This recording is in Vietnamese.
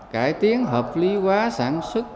cải tiến hợp lý quá sản xuất